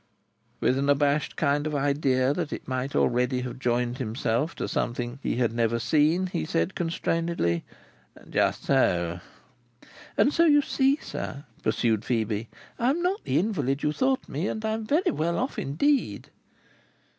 With an abashed kind of idea that it might have already joined himself to something he had never seen, he said constrainedly: "Just so." "And so you see, sir," pursued Phœbe, "I am not the invalid you thought me, and I am very well off indeed."